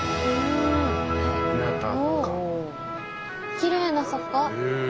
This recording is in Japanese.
きれいな坂。